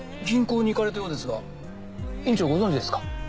銀行に行かれたようですが院長ご存じですか？